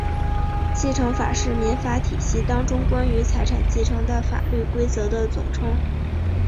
继承法是民法体系当中关于财产继承的法律规则的总称。